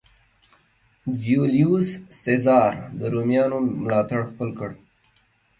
جیولیوس سزار د رومیانو ملاتړ خپل کړ.